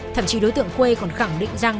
thậm chí đối tượng khuê còn khẳng định rằng